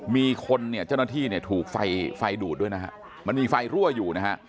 มีคนเนี่ยเจ้าหน้าที่เนี่ยถูกไฟไฟดูดด้วยนะฮะมันมีไฟรั่วอยู่นะฮะ